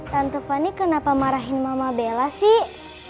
tante pani kenapa marahin mama bella sih